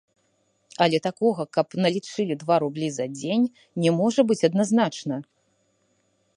Але такога, каб налічылі два рублі за дзень, не можа быць адназначна.